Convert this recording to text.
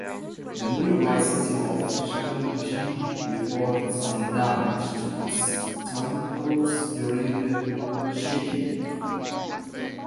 The nearby city of Changji reported some damage to its temples during the shaking.